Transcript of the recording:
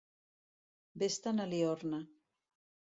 Ves-te'n a Liorna.